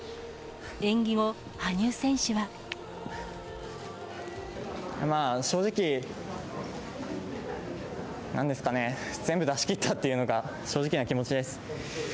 演技後、まあ、正直、なんですかね、全部出し切ったっていうのが正直な気持ちです。